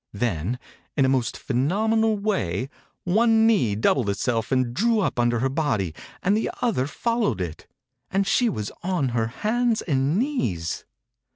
Then, in a most phenomenal way, one knee doubled itself and drew up under 5* THE INCUBATOR BABY her body, and the other followed it, and she was on her hands and knees.